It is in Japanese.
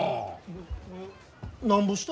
ななんぼした？